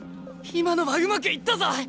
今のはうまくいったぞ！